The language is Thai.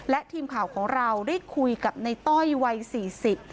และทีมข่าวของเราได้คุยกับในต้อยวัยสี่สิบ